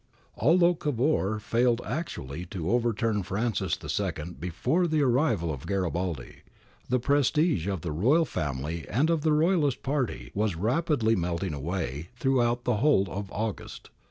^ Although Cavour failed actually to overturn Francis II before the arrival of Garibaldi, the prestige ot the Royal family and of the Royalist party was rapidly melt ing away throughout the whole of August.